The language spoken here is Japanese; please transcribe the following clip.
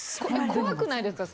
怖くないですか？